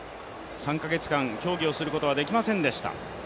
３か月間、競技をすることができませんでした。